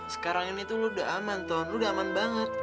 sekarang ini tuh lo udah aman ton lo udah aman banget